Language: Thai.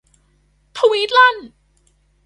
ทวีตลั่น